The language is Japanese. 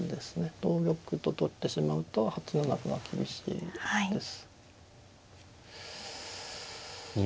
同玉と取ってしまうと８七歩が厳しいです。